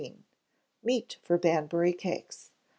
Meat for Banbury Cakes.